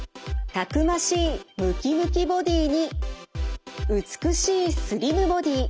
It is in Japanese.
たくましいムキムキボディーに美しいスリムボディー。